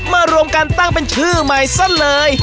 รวมกันตั้งเป็นชื่อใหม่ซะเลย